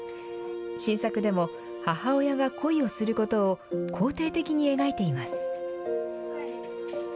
新作でも母親が恋をすることを肯定的に描いています。